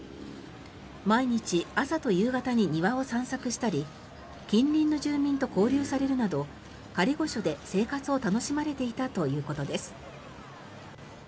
毎日、朝と夕方に庭を散策したり近隣の住民と交流されるなど仮御所で生活を楽しまれていたということです。